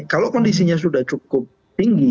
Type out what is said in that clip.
kalau kondisinya sudah cukup tinggi